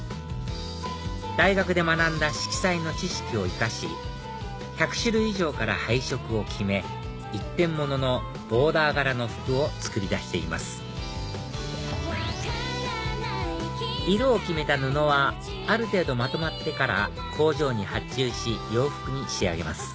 大学で学んだ色彩の知識を生かし１００種類以上から配色を決め一点物のボーダー柄の服を作り出しています色を決めた布はある程度まとまってから工場に発注し洋服に仕上げます